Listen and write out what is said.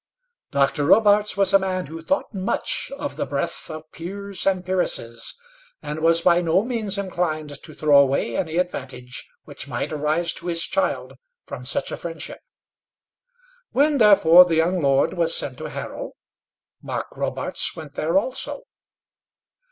Dr. Robarts was a man who thought much of the breath of peers and peeresses, and was by no means inclined to throw away any advantage which might arise to his child from such a friendship. When, therefore, the young lord was sent to Harrow, Mark Robarts went there also.